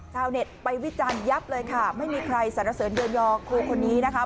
เน็ตไปวิจารณ์ยับเลยค่ะไม่มีใครสารเสริญเดือนยอครูคนนี้นะคะ